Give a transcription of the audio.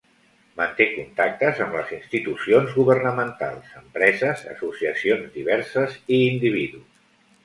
Manté contactes amb les institucions governamentals, empreses, associacions diverses i individus.